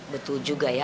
betul juga ya